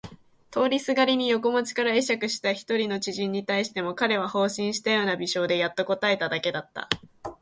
通りすがりに横町から会釈えしゃくした一人の知人に対しても彼は放心したような微笑でやっと答えただけだった。